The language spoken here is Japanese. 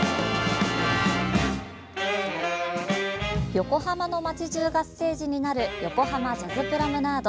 横浜の街中がステージになる横濱ジャズプロムナード。